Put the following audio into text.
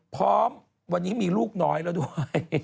พร้อมวันนี้มีลูกน้อยแล้วด้วย